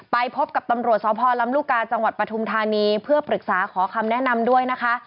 ไปพบกับตำรวจสพลำลูกกาจังหวัดปฐุมธานีเพื่อปรึกษาขอคำแนะนำด้วยนะคะ